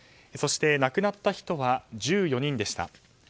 そして亡くなった人は１４人でした。